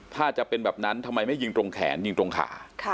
ถ้าจะเป็นแบบนั้นทำไมไม่ยิงตรงแขนยิงตรงขา